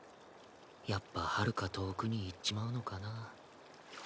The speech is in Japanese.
やっぱはるか遠くに行っちまうのかな。